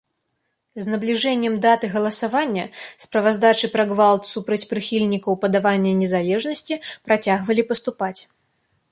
З набліжэннем даты галасавання справаздачы пра гвалт супраць прыхільнікаў падавання незалежнасці працягвалі паступаць.